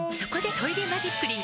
「トイレマジックリン」